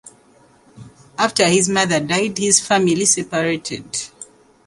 After his mother died, his family separated.